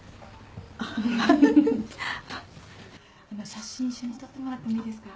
写真一緒に撮ってもらってもいいですか？